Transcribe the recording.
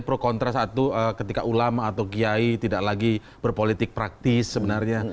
pro kontra satu ketika ulama atau kiai tidak lagi berpolitik praktis sebenarnya